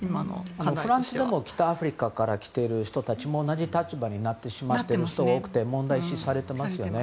フランスでも北アフリカから来ている人たちも同じ立場になってしまっている人が多くて問題視されていますよね。